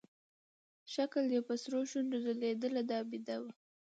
ښکل يې په سرو شونډو ځلېدله دا بېده وه.